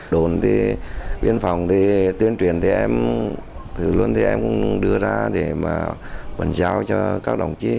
đồn thì biên phòng thì tuyên truyền thì em thử luôn thì em cũng đưa ra để mà bàn giao cho các đồng chí